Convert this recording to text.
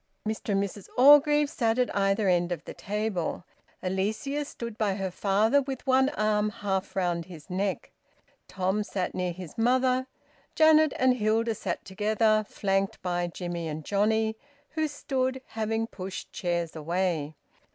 Mr and Mrs Orgreave sat at either end of the table. Alicia stood by her father, with one arm half round his neck. Tom sat near his mother. Janet and Hilda sat together, flanked by Jimmie and Johnnie, who stood, having pushed chairs away.